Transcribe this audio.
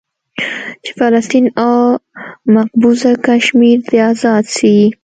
چې فلسطين او مقبوضه کشمير دې ازاد سي.